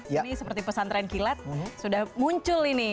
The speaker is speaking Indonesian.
ini seperti pesantren kilat sudah muncul ini